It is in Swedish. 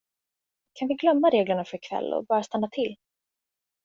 Kan vi glömma reglerna för ikväll och bara stanna till?